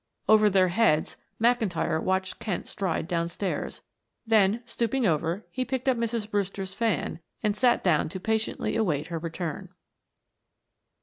Over their heads McIntyre watched Kent stride downstairs, then stooping over he picked up Mrs. Brewster's fan and sat down to patiently await her return.